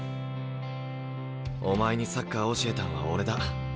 お前にサッカー教えたんは俺だ。